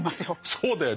そうだよね。